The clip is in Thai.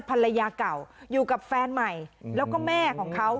ภรรยาเก่าอยู่กับแฟนใหม่แล้วก็แม่ของเขา